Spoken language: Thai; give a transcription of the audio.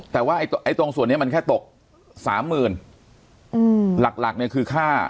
แต่ว่าไอ้ตรงส่วนนี้มันแค่ตก๓๐๐๐๐หลักเนี่ยคือค่า